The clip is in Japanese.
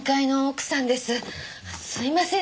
すいません